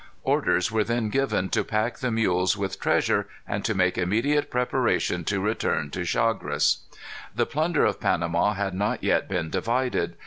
Orders were then given to pack the mules with treasure, and to make immediate preparation to return to Chagres. The plunder of Panama had not yet been divided.